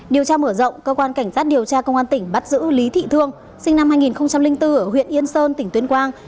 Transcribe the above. điều tra mở rộng công an tỉnh bát giữ lý thị thương sinh năm hai nghìn bốn ở huyện yên sơn tỉnh tuyên quang